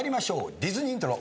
ディズニーイントロ。